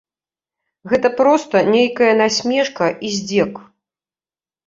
Гэта проста нейкая насмешка і здзек.